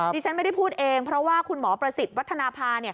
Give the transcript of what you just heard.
ดิฉันไม่ได้พูดเองเพราะว่าคุณหมอประสิทธิ์วัฒนภา